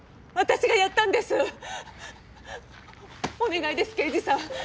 お願いです刑事さん